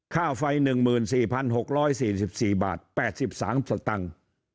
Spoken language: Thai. ค่าไฟ๑๔๖๔๔บาท๘๓สตังค์